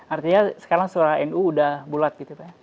artinya sekarang seolah nu sudah bulat gitu pak